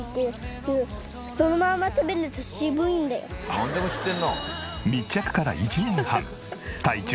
「なんでも知ってるな」